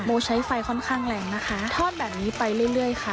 ใช้ไฟค่อนข้างแรงนะคะทอดแบบนี้ไปเรื่อยค่ะ